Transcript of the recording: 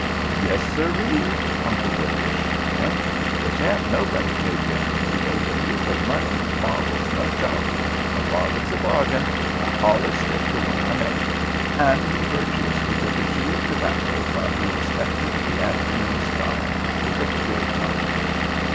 "Yes sir ree!" Uncle Billy assured him. "They shan't nobody take them rooms away from you fer money, marbles, ner chalk. A bargain's a bargain, an' I allus stick to one I make," and he virtuously took a chew of tobacco while he inspected the afternoon sky with a clear conscience.